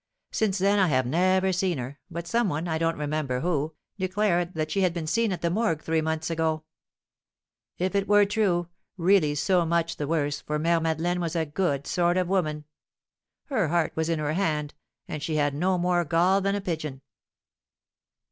Since then I have never seen her, but some one, I don't remember who, declared that she had been seen at the Morgue three months ago. If it were true, really so much the worse, for Mère Madeleine was a good sort of woman, her heart was in her hand, and she had no more gall than a pigeon."